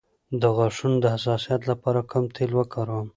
د غاښونو د حساسیت لپاره کوم تېل وکاروم؟